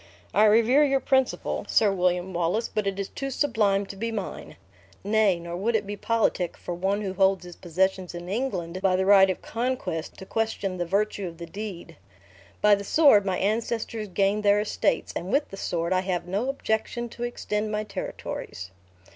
I revere your principle, Sir William Wallace; but it is too sublime to be mine. Nay, nor would it be politic for one who holds his possessions in England by the right of conquest to question the virtue of the deed. By the sword my ancestors gained their estates; and with the sword I have no objection to extend my territories."